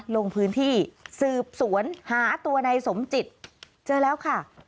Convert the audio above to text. ลงพื้นที่สืบสวนหาตัวในสมจิตเจอแล้วค่ะ